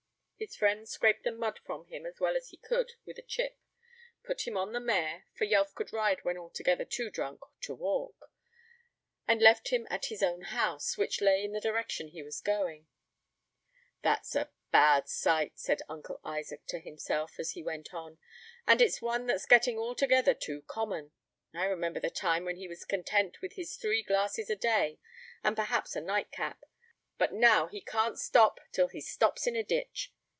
His friend scraped the mud from him as well as he could with a chip, put him on the mare (for Yelf could ride when altogether too drunk to walk), and left him at his own house, which lay in the direction he was going. "That's a bad sight," said Uncle Isaac to himself, as he went on, "and it's one that's getting altogether too common. I remember the time when he was content with his three glasses a day, and perhaps a nightcap; but now he can't stop till he stops in a ditch.